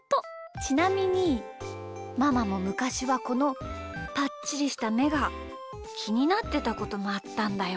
ちなみにママもむかしはこのぱっちりしためがきになってたこともあったんだよ。